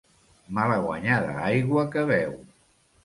Malaguanyada aigua que beu.